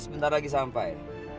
sebentar lagi sampai